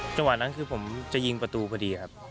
จังหวะนั้นคือผมจะยิงประตูพอดีครับ